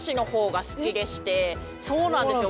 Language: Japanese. そうなんですよ。